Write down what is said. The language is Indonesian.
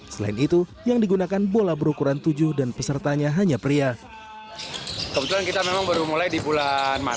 selain itu yang digunakan adalah empat on empat yang berbeda dengan empat on empat